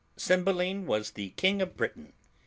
CYMBELINE was the King of Britain.